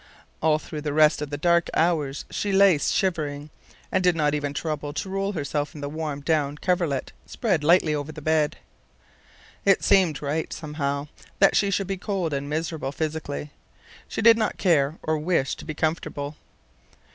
All through the rest of the dark hours she lay shivering, and did not even trouble to roll herself in the warm down coverlet spread lightly over the bed. It seemed right, somehow, that she should be cold and miserable physically. She did not care or wish to be comfortable.